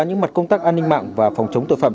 những mặt công tác an ninh mạng và phòng chống tội phạm